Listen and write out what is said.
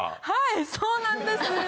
はいそうなんです！